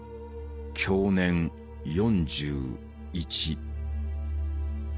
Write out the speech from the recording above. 享年４１。